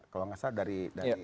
kalau nggak salah dari